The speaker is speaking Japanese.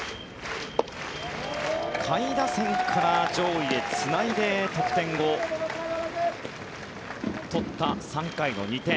下位打線から上位へつないで得点を取った３回の２点。